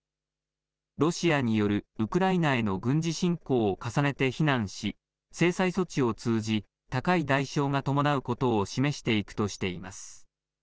ロシアによるウクライナへの軍事侵攻を重ねて非難し、制裁措置を通じ、高い代償が伴うことを示していくとしています。